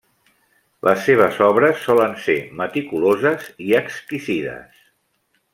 Les seves obres solen ser meticuloses i exquisides.